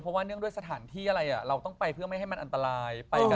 เพราะว่าเนื่องด้วยสถานที่อะไรเราต้องไปเพื่อไม่ให้มันอันตราย